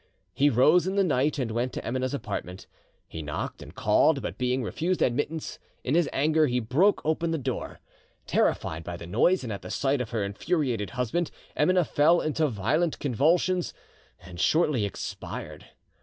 He rose in the night and went to Emineh's apartment; he knocked and called, but being refused admittance, in his anger he broke open the door. Terrified by the noise; and at the sight of her infuriated husband, Emineh fell into violent convulsions, and shortly expired.